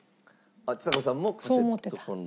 ちさ子さんもカセットコンロ？